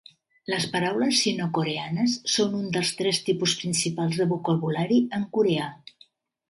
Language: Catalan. Les paraules sinocoreanes són un dels tres tipus principals de vocabulari en coreà.